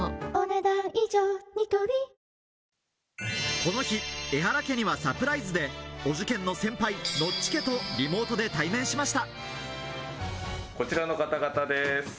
この日、エハラ家にはサプライズでお受験の先輩、ノッチ家とリモートで対面しました。